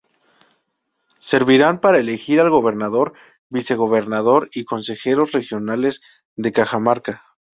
Servirán para elegir al gobernador, vicegobernador y consejeros regionales de Cajamarca.